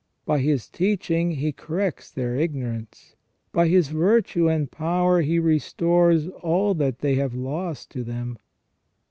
By His teaching He corrects their ignorance : by His virtue and power He restores all that they have lost to them.